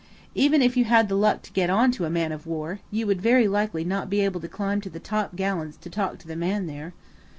Even if you had the luck to get on to a man of war, you would very likely not be able to climb to the top gallants to talk to the man there.